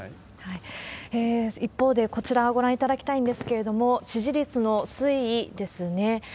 一方で、こちらご覧いただきたいんですけれども、支持率の推移ですね。